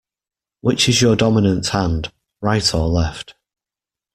Which is your dominant hand, right or left?